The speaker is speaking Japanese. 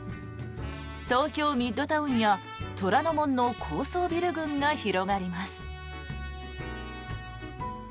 東京ミッドタウンや虎ノ門の高層ビル群が広がります。